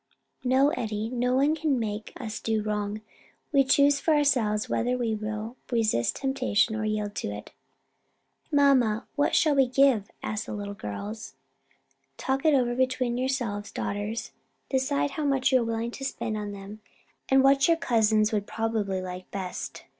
"No, Eddie, no one can make us do wrong; we choose for ourselves whether we will resist temptation or yield to it." "Mamma, what shall we give," asked the little girls. "Talk it over between yourselves, daughters, decide how much you are willing to spend on them, and what your cousins would probably like best.